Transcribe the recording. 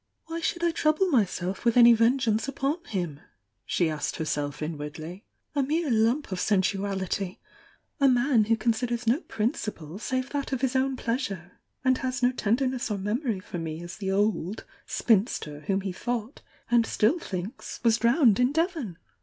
"Why should I trouble myself with any vengeance upon him?" she asked herself inwardly. "A mere lump of sensuality! — a man who considers no prin ciple save that of his own pleasure, and has no ten derness or memory for me as the 'old' spinster whom he thought (and still thinks) was drowned in Devon!